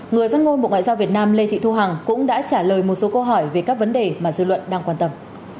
người phát ngôn bộ ngoại giao việt nam lê thị thu hằng cũng đã trả lời một số câu hỏi về các vấn đề mà dư luận đang quan tâm